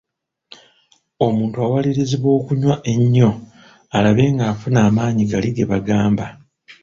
Omuntu awalirizibwa okunywa ennyo alabe ng'afuna amaanyi gali ge bagamba.